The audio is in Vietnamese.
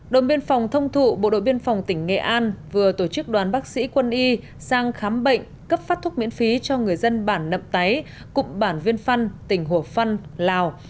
đồn biên phòng thông thụ bộ đội biên phòng tỉnh nghệ an vừa tổ chức đoàn bác sĩ quân y sang khám bệnh cấp phát thuốc miễn phí cho người dân bản nậm táy cụm bản viên phan tỉnh hồ phân lào